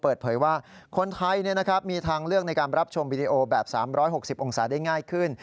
เปิดเผยว่าคนไทยมีทางเลือกในการรับชมวิดีโอแบบ๓๖๐องศาได้ง่ายขึ้น